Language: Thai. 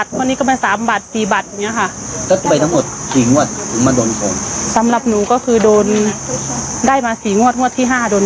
โดนครงสำหรับหนูก็คือโดนได้มาสี่งวดงวดที่ห้าโดน